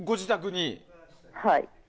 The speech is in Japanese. はい。